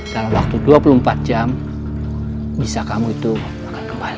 dalam waktu dua puluh empat jam bisa kamu itu makan kembali